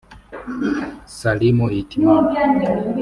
Salim Hitimana